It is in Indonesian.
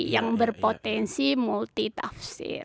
yang berpotensi multi tafsir